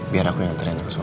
biar aku yang aturin ke suami